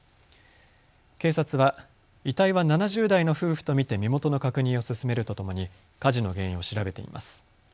警察は遺体は７０代の夫婦と見て身元の確認を進めるとともに火事の原因を調べています。